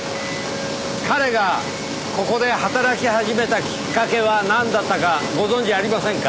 彼がここで働き始めたきっかけはなんだったかご存じありませんか？